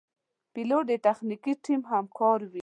پیلوټ د تخنیکي ټیم همکار وي.